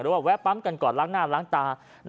แวะปั๊มกันก่อนล้างหน้าล้างตา